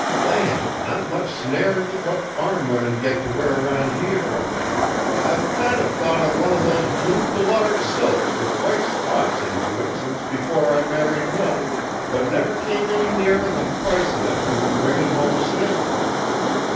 Land, not much snarin' with what farm women get to wear around here! I've kind of thought of one of those blue foulard silks with white spots into it since before I married Hill, but never came any nearer than pricin' it an' bringin' home a sample.